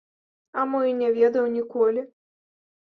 А мо і не ведаў ніколі!